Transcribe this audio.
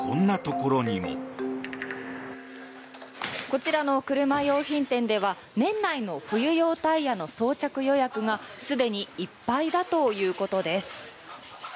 こちらの車用品店では年内の冬用タイヤの装着予約がすでにいっぱいだということです。